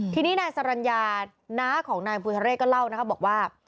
ทีนี้นายสรรญาน้าของนายพุทธเศษก็เล่านะคะบอกว่า